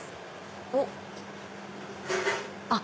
おっ。